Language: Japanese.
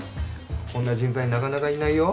こんな人材なかなかいないよ。